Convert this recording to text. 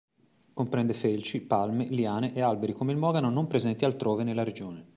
Comprende felci, palme, liane e alberi come il mogano non presenti altrove nella regione.